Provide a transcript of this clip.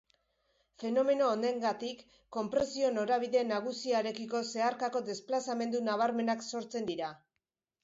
Fenomeno honengatik, konpresio-norabide nagusiarekiko zeharkako desplazamendu nabarmenak sortzen dira.